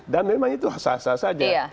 dan memang itu sah sah saja